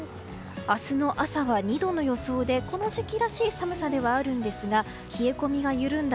明日の朝は２度の予想でこの時期らしい寒さではあるんですが冷え込みが緩んだ